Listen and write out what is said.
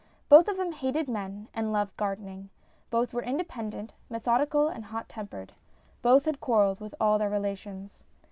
Both of them hated men and loved gardening. Both were independent, methodical, and hot tempered. Both had quarrelled with all their relations.